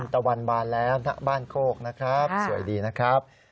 ตะวันบานแล้วณบ้านโคกนะครับสวยดีนะครับ